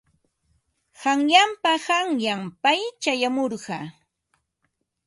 Qanyanpa qanyan pay chayamurqa.